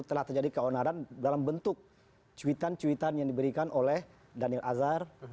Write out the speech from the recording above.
telah terjadi keonaran dalam bentuk cuitan cuitan yang diberikan oleh daniel azhar